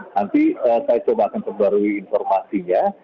nanti saya coba akan terbarui informasinya